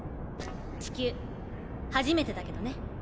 地球初めてだけどね。